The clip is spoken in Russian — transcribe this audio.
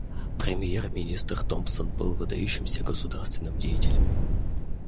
Премьер-министр Томпсон был выдающимся государственным деятелем.